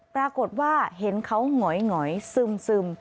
ปรากฏว่าเห็นเขาหงอยซึม